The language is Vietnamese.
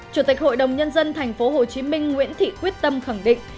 chủ tịch hội đồng nhân dân tp hcm nguyễn thị quyết tâm khẳng định